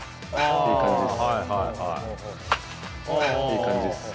いい感じです。